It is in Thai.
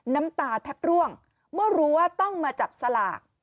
น้ำตาแทบร่วงเมื่อรู้ว่าต้องมาจับสลาก